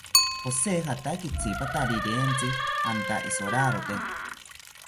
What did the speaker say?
Jose jataki itsipatari rirentzi janta isorarote